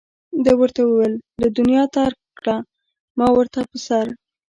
ده وویل له دنیا ترک کړه ما ورته په سر.